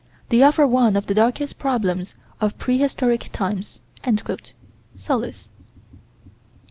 "They offer one of the darkest problems of prehistoric times." (Sollas.)